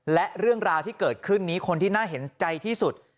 และเรื่องราวที่เกิดขึ้นนี้คนที่น่าเห็นใจที่สุด